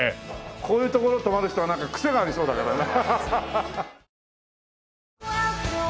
こういう所泊まる人はなんかクセがありそうだからな。